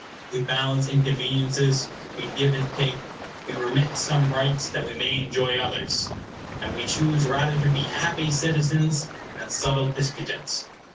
We balance inconveniences; we give and take; we remit some rights, that we may enjoy others; and we choose rather to be happy citizens than subtle disputants.